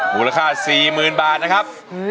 มูลค่า๔๐๐๐บาทนะครับ